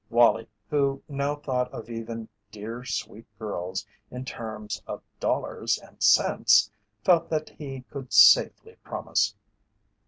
Wallie, who now thought of even "dear, sweet girls" in terms of dollars and cents, felt that he could safely promise.